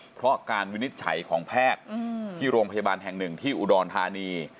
เพราะการวินิจฉัยของแพทย์ที่โรงพยาบาลแห่งหนึ่งที่อุดรธานี